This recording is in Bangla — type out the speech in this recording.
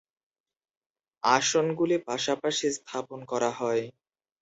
আসনগুলি পাশাপাশি স্থাপন করা হয়।